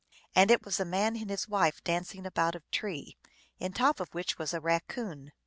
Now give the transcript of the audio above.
And it was a man and his wife dancing about a tree, in the top of which was a Raccoon.